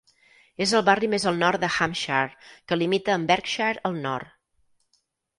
És el barri més al nord de Hampshire, que limita amb Berkshire al nord.